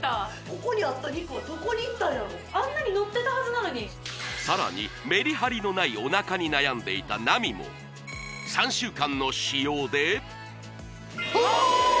ここにあった肉はどこにいったんやろあんなにのってたはずなのにさらにメリハリのないおなかに悩んでいたなみも３週間の使用でああ！